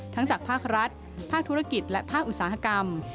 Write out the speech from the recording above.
จากภาครัฐภาคธุรกิจและภาคอุตสาหกรรม